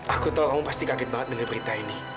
aku tahu kamu pasti kaget banget dengan berita ini